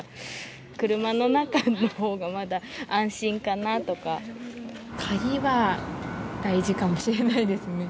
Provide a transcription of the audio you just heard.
車の中のほうが、まだ安心かなと鍵は大事かもしれないですね。